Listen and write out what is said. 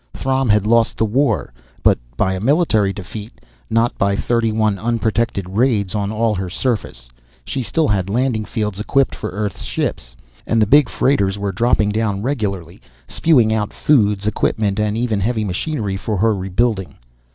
Throm had lost the war, but by a military defeat, not by thirty one unprotected raids on all her surface. She still had landing fields equipped for Earth ships, and the big freighters were dropping down regularly, spewing out foods, equipment and even heavy machinery for her rebuilding.